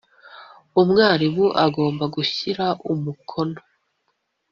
umwarimu agomba gushyira umukono